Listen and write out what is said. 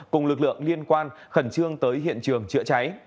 cùng lực lượng liên quan khẩn trương tới hiện trường chữa cháy